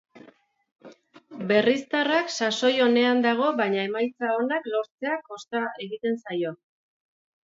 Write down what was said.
Berriztarrak sasoi onean dago baina emaitza onak lortzea kosta egiten zaio.